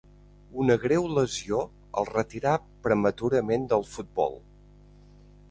Una greu lesió el retirà prematurament del futbol.